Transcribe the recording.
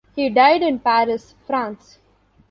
He died in Paris, France.